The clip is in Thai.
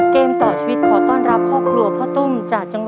เค้ามีเมืองขอบคุณที่ให้แล้ว